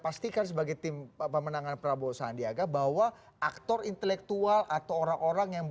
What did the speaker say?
pastikan sebagai tim pemenangan prabowo sandiaga bahwa aktor intelektual atau orang orang yang